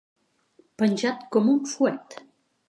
Penjat com un fuet.